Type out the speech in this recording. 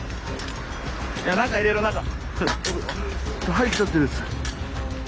入っちゃってるんです。